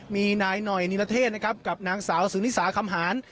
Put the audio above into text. มีนายหน่อยนิรเทศนะครับกับนางสาวสุนิสาคำหาร